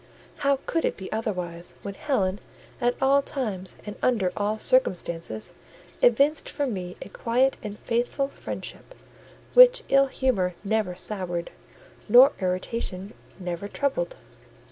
How could it be otherwise, when Helen, at all times and under all circumstances, evinced for me a quiet and faithful friendship, which ill humour never soured, nor irritation never troubled?